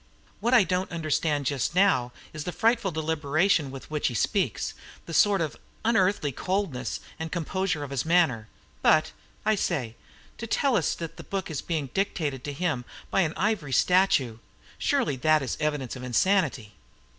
What I don't understand just now is the frightful deliberation with which he speaks, the sort of unearthly coldness and composure of his manner. But I say! to tell us that the book is being dictated to him by an ivory statue: surely that is an evidence of insanity!"